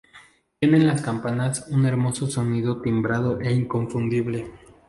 Tienen las campanas un hermoso sonido timbrado e inconfundible.